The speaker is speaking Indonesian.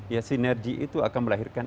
ya sinergi itu akan melahirkan